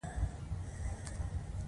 تر ناپوه ملګري هوښیار دوښمن ښه دئ!